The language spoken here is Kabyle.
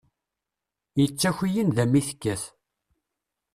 Yettaki i nnda mi tekkat.